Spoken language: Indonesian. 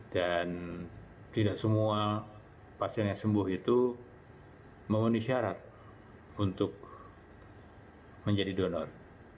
dan tidak semua pasien yang sembuh itu memenuhi syarat untuk menjadi donor